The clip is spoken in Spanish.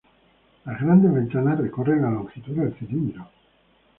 Las grandes ventanas recorren la longitud del cilindro.